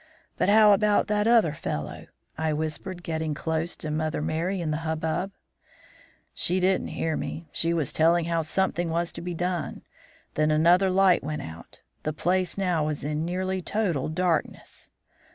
But how about that other fellow?' I whispered, getting close to Mother Merry in the hubbub. "She didn't hear me; she was telling how something was to be done. Then another light went out. The place now was in nearly total darkness.